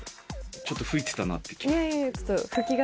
ちょっと吹いてたなって気が。